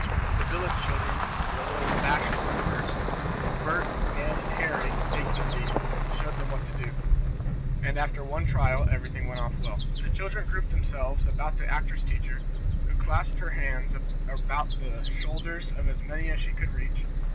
The village children were a little bashful at first, but Bert, Nan and Harry, taking the lead, showed them what to do, and after one trial everything went off well. The children grouped themselves about the actress teacher, who clasped her arms about the shoulders of as many as she could reach.